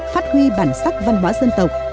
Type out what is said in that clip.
phát huy bản sắc văn hóa dân tộc